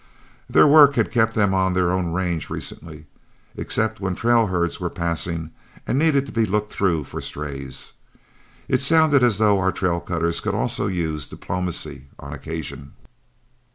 Their work had kept them on their own range recently, except when trail herds were passing and needed to be looked through for strays. It sounded as though our trail cutters could also use diplomacy on occasion.